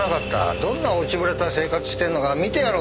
どんな落ちぶれた生活してんのか見てやろうと思った。